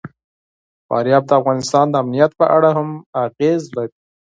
فاریاب د افغانستان د امنیت په اړه هم اغېز لري.